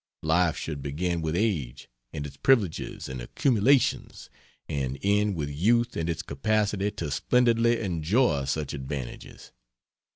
Life should begin with age and its privileges and accumulations, and end with youth and its capacity to splendidly enjoy such advantages.